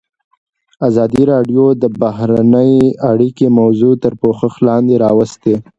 ازادي راډیو د بهرنۍ اړیکې موضوع تر پوښښ لاندې راوستې.